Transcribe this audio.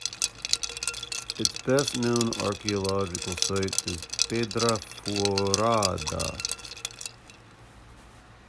Its best known archaeological site is Pedra Furada.